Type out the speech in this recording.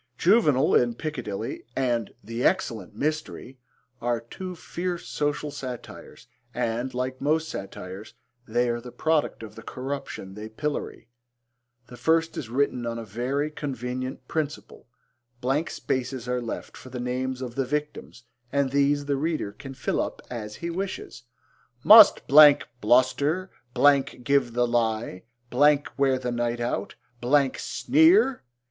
Juvenal in Piccadilly and The Excellent Mystery are two fierce social satires and, like most satires, they are the product of the corruption they pillory. The first is written on a very convenient principle. Blank spaces are left for the names of the victims and these the reader can fill up as he wishes. Must bluster, give the lie, wear the night out, sneer!